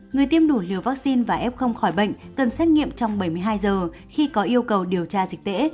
người tiêm đủ liều vaccine và f khỏi bệnh cần xét nghiệm trong bảy mươi hai giờ khi có yêu cầu điều tra dịch tễ